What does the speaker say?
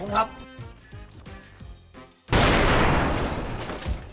ครับผมขอบคุณครับ